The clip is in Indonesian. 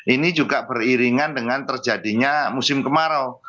ini juga beriringan dengan terjadinya musim kemarau